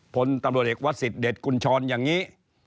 พลตำรวจเอกวัศดิ์เดชกุญชรอย่างนี้